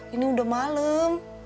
ini udah malem